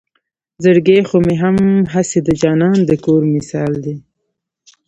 زړګے خو مې هم هسې د جانان د کور مثال دے